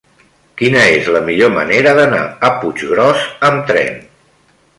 Quina és la millor manera d'anar a Puiggròs amb tren?